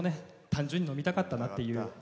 単純に飲みたかったなっていう。